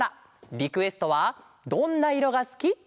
リクエストは「どんな色がすき」です。